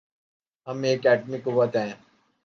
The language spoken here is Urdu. ہم ایک ایٹمی قوت ہیں۔